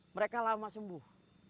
mereka lama sembuh